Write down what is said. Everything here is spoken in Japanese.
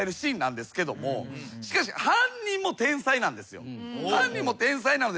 しかし犯人も天才なんですよ。